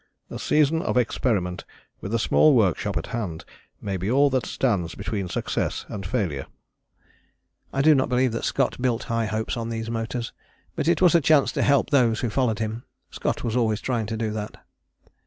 A season of experiment with a small workshop at hand may be all that stands between success and failure." I do not believe that Scott built high hopes on these motors: but it was a chance to help those who followed him. Scott was always trying to do that.